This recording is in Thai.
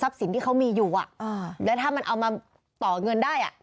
สินที่เขามีอยู่แล้วถ้ามันเอามาต่อเงินได้อ่ะ